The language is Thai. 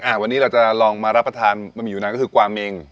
วันนี้เราจะลองมารับประทานบะหมี่อยู่นานก็คือกวาเมง